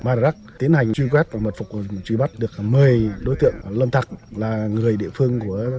madrak tiến hành truy quét và mật phục truy bắt được một mươi đối tượng lâm tặc là người địa phương của